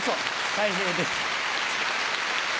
たい平です。